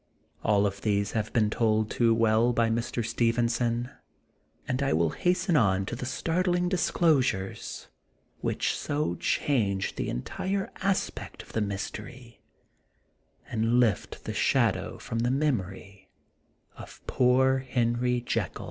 All of the^e have been told too well by Mr. Stevenson, and I will hasten on to the startling disclosures which so change the entire aspect of the mystery, and lift the shadow from the memory of poor Harry Jekyll.